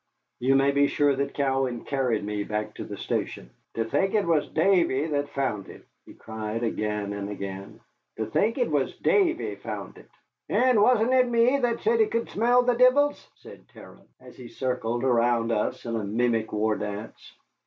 You may be sure that Cowan carried me back to the station. "To think it was Davy that found it!" he cried again and again, "to think it was Davy found it!" "And wasn't it me that said he could smell the divils," said Terence, as he circled around us in a mimic war dance.